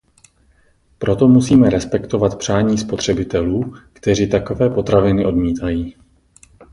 Proto musíme respektovat přání spotřebitelů, kteří takové potraviny odmítají.